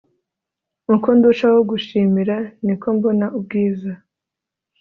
uko ndushaho gushimira, ni ko mbona ubwiza